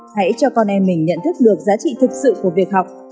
hãy cho con em mình nhận thức được giá trị thực sự của việc học